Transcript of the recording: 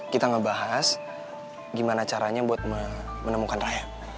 kita ngebahas gimana caranya buat menemukan rakyat